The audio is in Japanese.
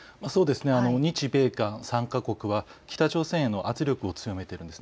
日米韓３か国は北朝鮮への圧力を強めています。